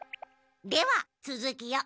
ではつづきを。